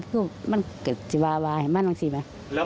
หรือไม่ได้อย่างนะ